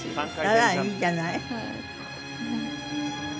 あらいいじゃない。